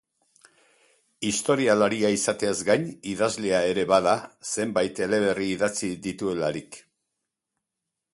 Historialaria izateaz gain, idazlea ere bada, zenbait eleberri idatzi dituelarik.